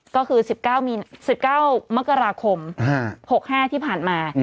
ก็คือ๑๙มกราคม๖๕ที่ผ่านมา